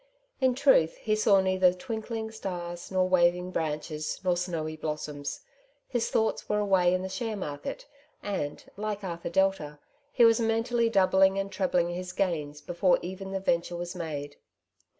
In truth he saw neither twinkling stars, nor waving branches, nor snowy blossoms ; his thoughts were away in the share market, and, like Arthur Delta, he was mentally doubling and trebling his gains before even the venture was made.